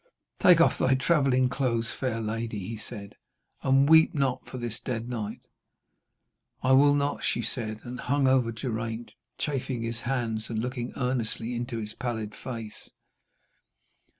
'Take off thy travelling clothes, fair lady,' he said, 'and weep not for this dead knight.' 'I will not,' she said, and hung over Geraint, chafing his hands and looking earnestly into his pallid face.